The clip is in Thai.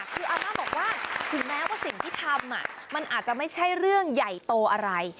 คืออาม่าบอกว่าถึงแม้ว่าสิ่งที่ทำมันอาจจะไม่ใช่เรื่องใหญ่โตอะไร